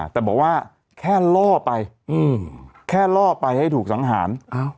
แต่บอกว่าแค่ล่อไปแค่ล่อไปให้ถูกสังหาร